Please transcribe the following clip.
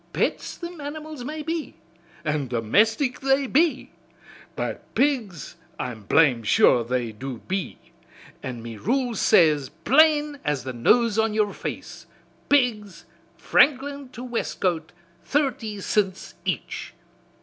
Pets thim animals may be, an' domestic they be, but pigs I'm blame sure they do be, an' me rules says plain as the nose on yer face, 'Pigs Franklin to Westcote, thirty cints each.'